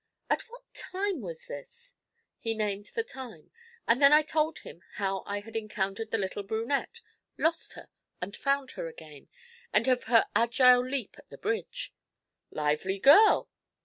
'At what time was this?' He named the time, and then I told him how I had encountered the little brunette, lost her, and found her again, and of her agile leap at the bridge. 'Lively girl!'